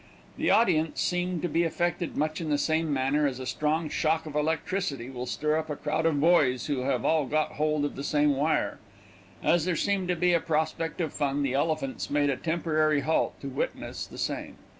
The audience seemed to be affected much in the same manner as a strong shock of electricity will stir up a crowd of boys who have all got hold of the same wire. As there seemed to be a prospect of fun, the Elephants made a temporary halt to witness the same.